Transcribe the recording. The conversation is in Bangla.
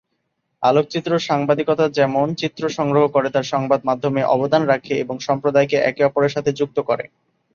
আলোকচিত্র সাংবাদিকতা যেসব চিত্র সংগ্রহ করে তার সংবাদ মাধ্যমে অবদান রাখে এবং সম্প্রদায়কে একে অপরের সাথে যুক্ত করে।